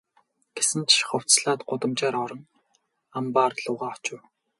Гэсэн ч хувцаслаад гудамжаар орон амбаар луугаа очив.